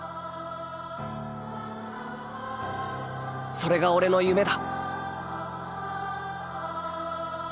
それがオレの夢だ。